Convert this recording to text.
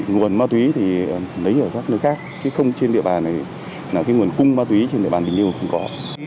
nguồn ma túy thì lấy ở các nơi khác chứ không trên địa bàn này là cái nguồn cung ma túy trên địa bàn bình liêu không có